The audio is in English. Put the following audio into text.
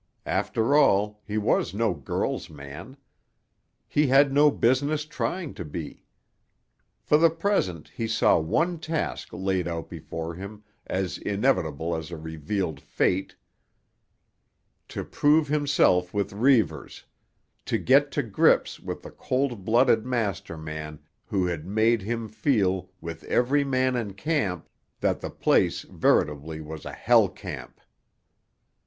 After all, he was no girl's man. He had no business trying to be. For the present he saw one task laid out before him as inevitable as a revealed fate—to prove himself with Reivers, to get to grips with the cold blooded master man who had made him feel, with every man in camp, that the place veritably was a Hell Camp.